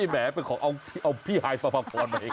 แหมเอาพี่หายมาพร้อม